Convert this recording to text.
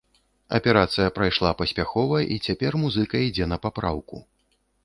Аперацыя прайшла паспяхова і цяпер музыка ідзе на папраўку.